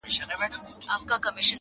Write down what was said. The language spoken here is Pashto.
ستا پر تور تندي لیکلي کرښي وايي!!